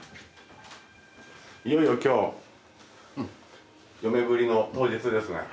いよいよ今日嫁ブリの当日ですね。